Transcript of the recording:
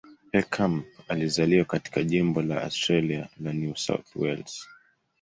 Heckenkamp alizaliwa katika jimbo la Australia la New South Wales.